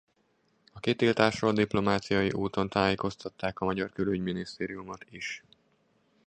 A kitiltásról diplomáciai úton tájékoztatták a magyar külügyminisztériumot is.